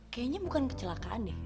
kayaknya bukan kecelakaan deh